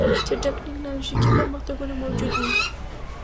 چټک ټکنالوژیکي پرمختګونه موجود وو